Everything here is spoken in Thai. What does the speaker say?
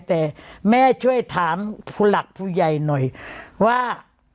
แต่แม่ช่วยถามผู้หลักผู้ใหญ่หน่อยว่า